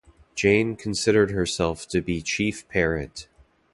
Jane considered herself to be chief parent.